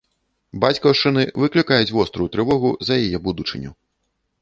Бацькаўшчыны выклікаюць вострую трывогу за яе будучыню.